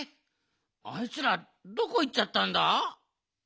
あいつらどこいっちゃったんだ？